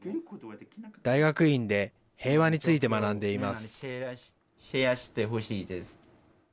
大学院で平和について学んでいます。